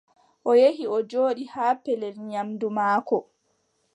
O yehi, o jooɗi haa pellel nyaamndu maako.